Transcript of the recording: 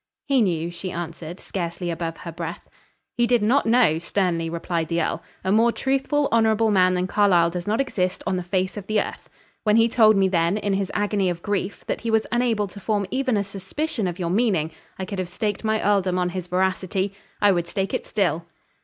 "He knew," she answered, scarcely above her breath. "He did not know," sternly replied the earl. "A more truthful, honorable man than Carlyle does not exist on the face of the earth. When he told me then, in his agony of grief, that he was unable to form even a suspicion of your meaning, I could have staked my earldom on his veracity. I would stake it still."